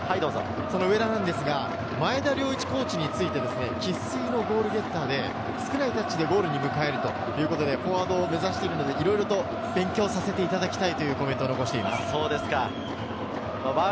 上田なんですが、前田遼一コーチについて生粋のゴールゲッターで、少ないタッチでゴールに迎えるということで、フォワードを目指しているのでいろいろ勉強させていただきたいというコメントを残しています。